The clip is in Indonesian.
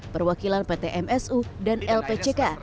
perwakilan pt msu dan lpck